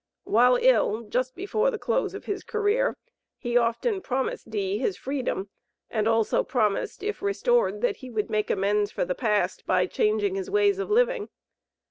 While ill, just before the close of his career, he often promised D. his freedom and also promised, if restored, that he would make amends for the past, by changing his ways of living.